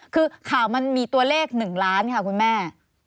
คือข่าวมันมีตัวเลข๑ล้านค่ะคุณแม่